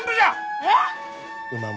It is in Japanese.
えっ？